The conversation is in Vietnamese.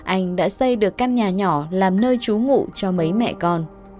anh đã xây được căn nhà nhỏ làm nơi trú ngụ cho mấy mẹ con